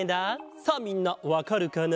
さあみんなわかるかな？